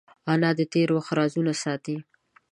انا د تېر وخت رازونه ساتي